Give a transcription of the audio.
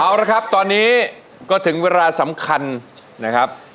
เอาละครับตอนนี้ก็ถึงเวลาสำคัญนะครับ